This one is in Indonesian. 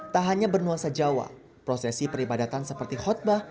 tak hanya bernuasa jawa prosesi peribadatan seperti khotbah